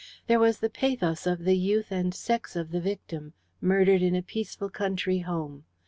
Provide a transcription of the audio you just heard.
There was the pathos of the youth and sex of the victim, murdered in a peaceful country home.